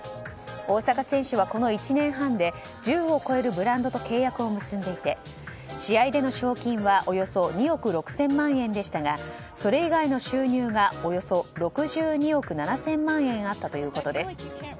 大坂選手はこの１年半で１０を超えるブランドと契約を結んでいて試合での賞金はおよそ２億６０００万円でしたがそれ以外の収入がおよそ６２億７０００万円あったということです。